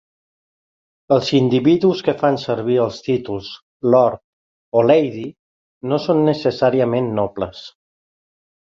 Els individus que fan servir els títols "Lord" o "Lady" no són necessàriament nobles.